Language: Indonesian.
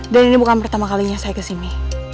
dan ini bukan pertama kalinya saya kesini